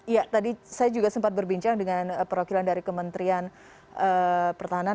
ya tadi saya juga sempat berbincang dengan perwakilan dari kementerian pertahanan